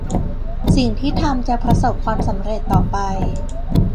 สิ่งที่ทำจะประสบความสำเร็จต่อไป